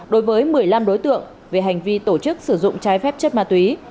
đối với một mươi năm đối tượng về hành vi tổ chức sử dụng trái phép chất ma túy